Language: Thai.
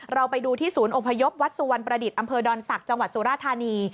เราไปดูที่ศูนย์อพยพวัดสุวรรณประดิษฐ์อำเภอดอนศักดิ์จังหวัดสุราธานี